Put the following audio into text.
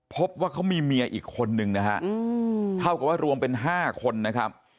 พบว่าเขามีเมียอีกคนนึงนะฮะเท่ากับว่ารวมเป็น๕คนนะครับ